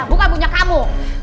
bukan punya kamu